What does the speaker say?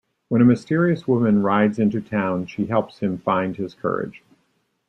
When a mysterious woman rides into town, she helps him find his courage.